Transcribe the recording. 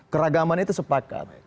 keragaman itu sepakat